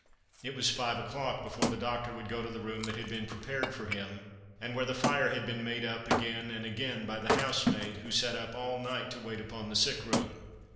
It was five o'clock before the doctor would go to the room that had been prepared for him, and where the fire had been made up again and again by the housemaid, who sat up all night to wait upon the sick room.